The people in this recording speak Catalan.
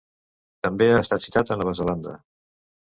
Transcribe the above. També ha estat citat a Nova Zelanda.